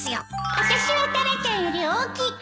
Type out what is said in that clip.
あたしはタラちゃんより大きい子よ